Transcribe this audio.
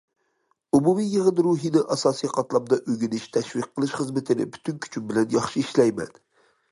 ئومۇمىي يىغىن روھىنى ئاساسىي قاتلامدا ئۆگىنىش، تەشۋىق قىلىش خىزمىتىنى پۈتۈن كۈچۈم بىلەن ياخشى ئىشلەيمەن.